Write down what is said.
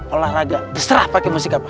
olahraga diserah pakai musik apa